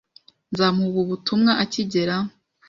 Nzamuha ubu butumwa akigera